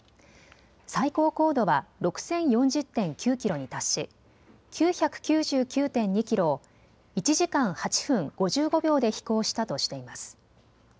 最高高度は６０４０．９キロに達し、９９９．２キロを１時間８分５５秒で飛行したとしています。